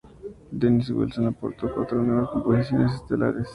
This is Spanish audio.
Dennis Wilson aportó cuatro nuevas composiciones estelares.